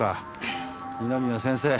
二宮先生